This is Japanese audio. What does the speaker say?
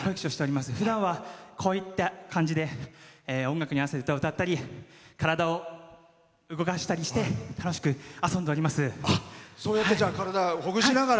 ふだんは、こういった感じで音楽に合わせて歌を歌ったり体を動かしたりして体をほぐしながら。